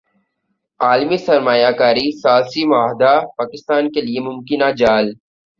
عالمی سرمایہ کاری ثالثی معاہدہ پاکستان کیلئے ممکنہ جال